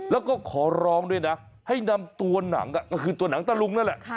แล้วก็ขอร้องด้วยนะให้นำตัวหนังก็คือตัวหนังตะลุงนั่นแหละ